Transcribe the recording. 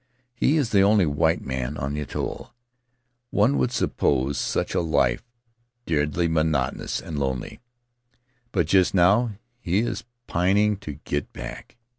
He is the only white man on the atoll; one would suppose such a life deadly monotonous and lonely, but just now he is pining to get back.